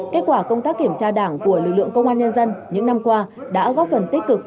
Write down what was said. kết quả công tác kiểm tra đảng của lực lượng công an nhân dân những năm qua đã góp phần tích cực